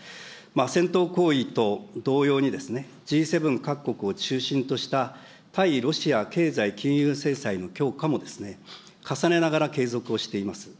戦闘行為と同様にですね、Ｇ７各国を中心とした対ロシア経済金融制裁の強化もですね、重ねながら継続をしています。